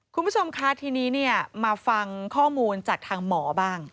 คุณผู้ชมคะทีนี้มาฟังข้อมูลจากทางหมอบ้าง